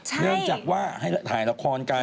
เนื่องจากว่าให้ถ่ายละครกัน